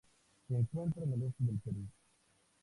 Se encuentra al este del Perú.